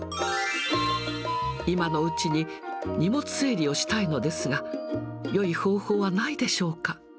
今のうちに荷物整理をしたいのですが、よい方法はないでしょうか。